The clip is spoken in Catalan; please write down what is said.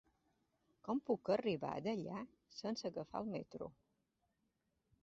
Com puc arribar a Deià sense agafar el metro?